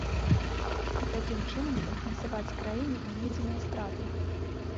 І такім чынам кампенсаваць краіне нанесеныя страты.